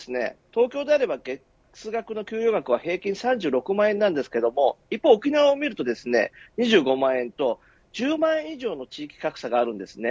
例えば、東京都の月額の給与額は平均３６万円ですが一方、沖縄は２５万円と１０万円以上の地域格差があります。